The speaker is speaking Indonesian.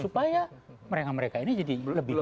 supaya mereka mereka ini jadi lebih baik